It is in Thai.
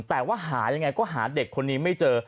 แต่ว่าหายังไงก็หาเด็กคนนี้ไม่เจอ